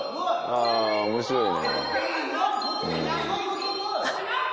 あ面白いね。